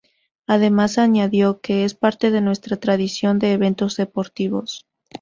Además añadió que "Es parte de nuestra tradición de eventos deportivos".